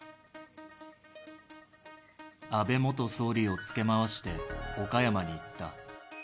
安倍元総理を付け回して岡山に行った。